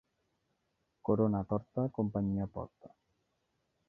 Corona torta, companyia porta.